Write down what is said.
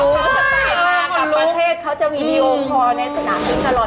ไม่มีค้าค่ะกลับประเทศเขาจะมีโมงค์พอในสถานาที่ตลอด